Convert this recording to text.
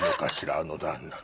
あの旦那の。